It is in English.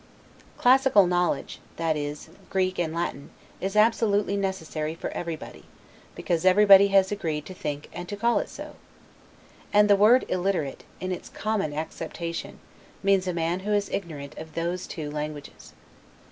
Classical knowledge, that is, Greek and Latin, is absolutely necessary for everybody; because everybody has agreed to think and to call it so. And the word ILLITERATE, in its common acceptation, means a man who is ignorant of those two languages.